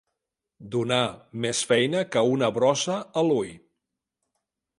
Donar més feina que una brossa a l'ull.